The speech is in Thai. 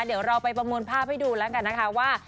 เดี๋ยวเราไปประมวลภาพให้ดูแล้วกันนะคะว่า